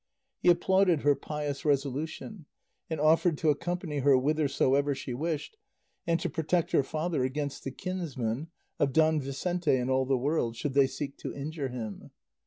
He applauded her pious resolution, and offered to accompany her whithersoever she wished, and to protect her father against the kinsmen of Don Vicente and all the world, should they seek to injure him.